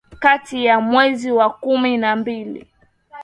kati ya mwezi wa kumi na mbili